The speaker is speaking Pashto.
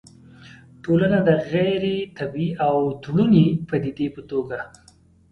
ټولنه د غيري طبيعي او تړوني پديدې په توګه